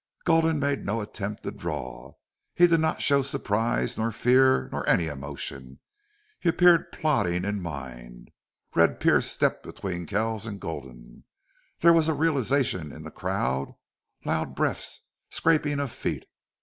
Gulden made no attempt to draw. He did not show surprise nor fear nor any emotion. He appeared plodding in mind. Red Pearce stepped between Kells and Gulden. There was a realization in the crowd, loud breaths, scraping of feet.